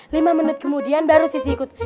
lima menit kemudian baru sisnya ikut